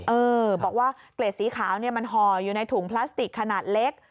เออบอกว่าเกล็ดสีขาวเนี่ยมันห่ออยู่ในถุงพลาสติกขนาดเล็ก